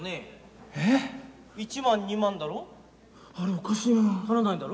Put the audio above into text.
えっ⁉１万２万だろ？